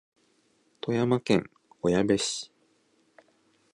富山県小矢部市